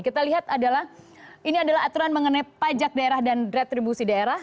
kita lihat adalah ini adalah aturan mengenai pajak daerah dan retribusi daerah